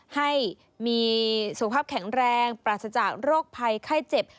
ให้มีสุขภาพแข็งแรงปราศจากโรคภัยไข้เจ็บ